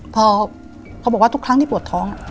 พอเขาบอกว่าทุกครั้งที่ปวดท้อง